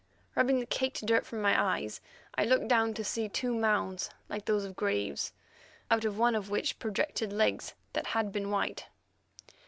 Rubbing the caked dirt from my eyes, I looked down to see two mounds like those of graves, out of which projected legs that had been white.